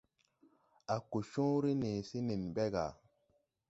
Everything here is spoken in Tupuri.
A ko cõõre nee se nen ɓe gà.